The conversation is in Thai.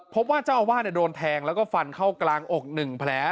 พบว่าเจ้าอาวาสโดนแทงแล้วก็ฟันเข้ากลางอก๑แผล